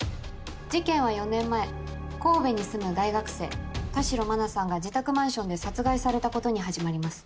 事件は４年前神戸に住む大学生田代真菜さんが自宅マンションで殺害されたことに始まります。